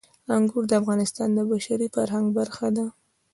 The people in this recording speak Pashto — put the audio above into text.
انګور د افغانستان د بشري فرهنګ برخه ده.